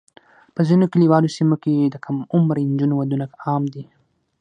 په ځینو کلیوالي سیمو کې د کم عمره نجونو ودونه عام دي.